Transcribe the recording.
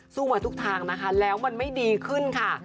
มาทุกทางนะคะแล้วมันไม่ดีขึ้นค่ะ